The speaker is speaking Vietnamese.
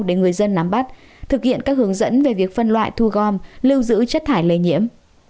để người dân nắm bắt thực hiện các hướng dẫn về việc phân loại thu gom lưu giữ chất thải lây nhiễm